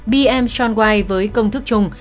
bm john white với công thức trùng